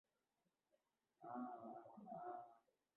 ٹیلیریٹ ایک برقیائی مالی معلومات کا نظام فراہم کرتی ہے